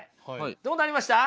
どうなりました？